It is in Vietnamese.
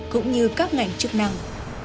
cũng như các ngành chức năng